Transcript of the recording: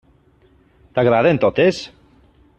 T'agraden totes?